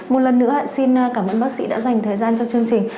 một lần nữa xin cảm ơn bác sĩ đã dành thời gian cho chương trình